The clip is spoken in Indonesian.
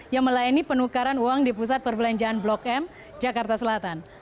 yang melayani penukaran uang di pusat perbelanjaan blok m jakarta selatan